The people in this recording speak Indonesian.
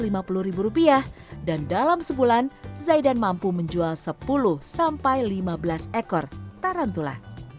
mulai dari rp tujuh puluh hingga rp tiga ratus lima puluh dan dalam sebulan zaidan mampu menjual sepuluh sampai lima belas ekor tarantula